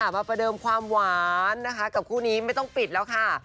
ประเดิมความหวานนะคะกับคู่นี้ไม่ต้องปิดแล้วค่ะ